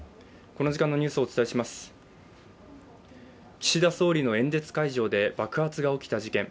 岸田総理の演説会場で爆発が起きた事件。